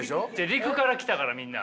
陸から来たからみんな。